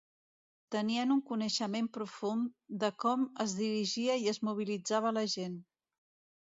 Tenien un coneixement profund de com es dirigia i es mobilitzava la gent.